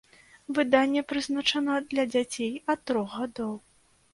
Выданне прызначана для дзяцей ад трох гадоў.